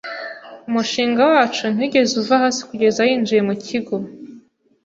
Umushinga wacu ntiwigeze uva hasi kugeza yinjiye mu kigo.